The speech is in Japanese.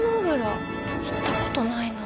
行ったことないな。